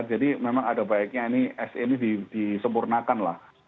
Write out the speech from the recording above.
jadi memang ada baiknya ini se ini disempurnakan lah